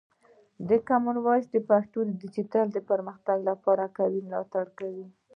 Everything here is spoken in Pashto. کامن وایس د پښتو د ډیجیټل پرمختګ لپاره قوي ملاتړ کوي.